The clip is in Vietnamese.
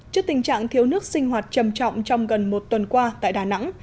trước tình trạng thiếu nước sinh hoạt trầm trọng trong gần một tuần qua tại đà nẵng